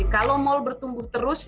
kalau mal bertumbuh terus